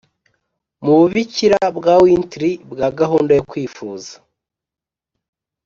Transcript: mububikira bwa wintry bwa gahunda yo kwifuza